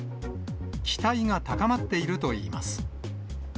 期待が高まっているといいます。